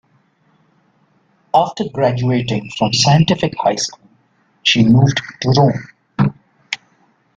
After graduating from scientific high school she moved to Rome.